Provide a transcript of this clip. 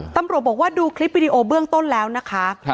ตำรวจบอกว่าดูคลิปวิดีโอเบื้องต้นแล้วนะคะ